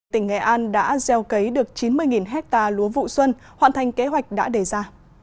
tỉnh nghệ an đã gieo cấy được chín mươi hectare lúa vụ xuân hoàn thành kế hoạch đã đề ra